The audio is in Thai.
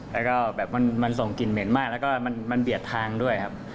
แล้วก็แบบมันส่งกลิ่นเหม็นมากแล้วก็มันเบียดทางด้วยครับ